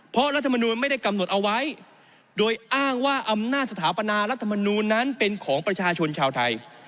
เพราะรัฐมนูลไม่ได้กำหนดเอาไว้โดยอ้างว่าอำนาจสถาปนารัฐมนูลนั้นเป็นของประชาชนชาวไทย